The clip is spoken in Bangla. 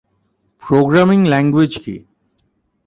প্রোগ্রামিং ল্যাঙ্গুয়েজ কি?